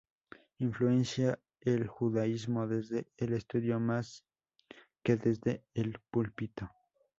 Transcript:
Influenció el Judaísmo desde el estudio más que desde el púlpito.